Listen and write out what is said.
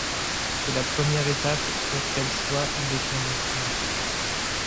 C'est la première étape pour qu'elle soit déclarée sainte.